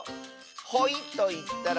「ほい」といったら？